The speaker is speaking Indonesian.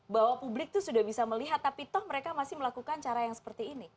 bahwa publik itu sudah bisa melihat tapi toh mereka masih melakukan cara yang seperti ini